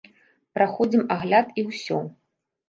Праходзім агляд і ўсё.